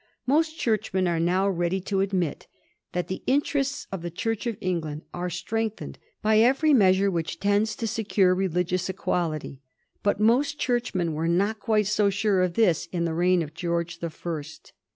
Most Churchmen are now ready to admit that the interests of the Church of England are strengiJiened by every measure which tends to secure religious equality ; but most Churchmen were not quite so sure of this in the reign of George the First.